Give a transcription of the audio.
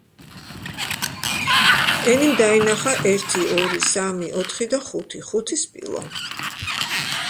ენიმ დაინახა ერთი, ორი, სამი, ოთხი და ხუთი. ხუთი სპილო.